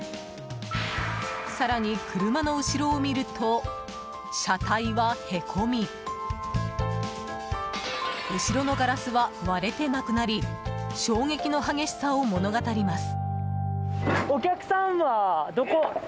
更に、車の後ろを見ると車体はへこみ後ろのガラスは割れてなくなり衝撃の激しさを物語ります。